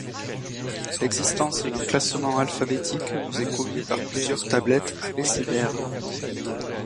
L'existence d'un classement alphabétique nous est connue par plusieurs tablettes abécédaires.